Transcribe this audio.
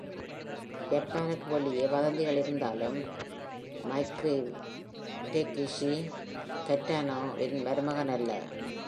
ஜப்பானுக்கு வெளியே வதந்திகள் இருந்தாலும் Michiru, Takeshi Kitano-வின் மருமகன் அல்ல.